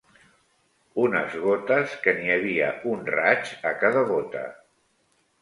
Unes gotes que n'hi havia un raig a cada gota